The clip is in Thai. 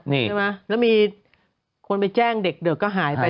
ใช่ไหมแล้วมีคนไปแจ้งเด็กก็หายไป